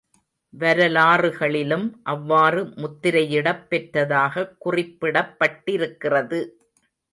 வரலாறுகளிலும் அவ்வாறு முத்திரையிடப் பெற்றதாகக் குறிப்பிடப்பட்டிருக்கிறது.